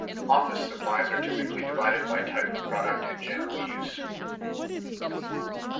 Office supplies are typically divided by type of product and general use.